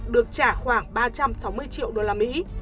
được trả khoảng ba trăm sáu mươi triệu đô la mỹ